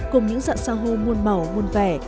cùng những dạng sanho muôn màu muôn vẻ